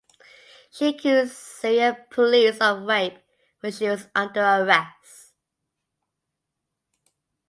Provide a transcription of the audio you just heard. She accused Syrian police of rape when she was under arrest.